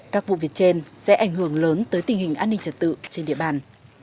các vụ việc trên sẽ ảnh hưởng lớn tới tình hình an ninh trật tự trên địa bàn